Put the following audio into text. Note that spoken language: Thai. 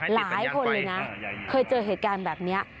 หลายคนเลยนะเคยเจอเหตุการณ์แบบนี้